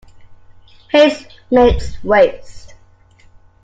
Haste makes waste.